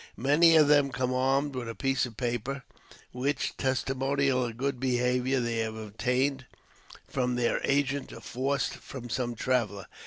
Many of them come armed with a piece of paper, which testimonial of good behavior they have obtained from their agent or forced from some traveler.